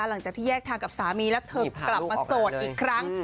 หลังจากที่แยกทางกับสามีแล้วเธอกลับมาโสดอีกครั้ง